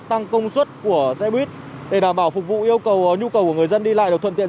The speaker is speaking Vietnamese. tăng công suất của xe buýt để đảm bảo phục vụ yêu cầu nhu cầu của người dân đi lại được thuận tiện